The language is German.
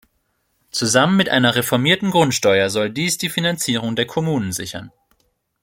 Zusammen mit einer reformierten Grundsteuer soll dies die Finanzierung der Kommunen sichern.